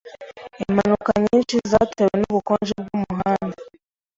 Impanuka nyinshi zatewe nubukonje bwumuhanda.